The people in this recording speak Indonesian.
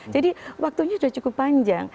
jadi waktunya sudah cukup panjang